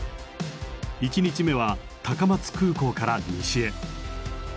１日目は高松空港から西へ。